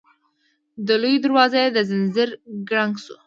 د لويي دروازې د ځنځير کړنګ شو.